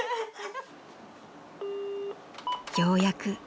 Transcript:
［ようやく］